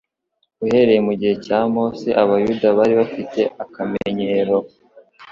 Uhereye mu gihe cya Mose, abayuda bari bafite akamenyero